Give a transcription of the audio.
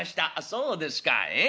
そうですかええ？